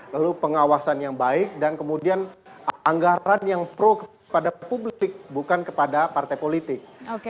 lalu pengawasan yang baik dan kemudian anggaran yang pro kepada publik bukan kepada partai politik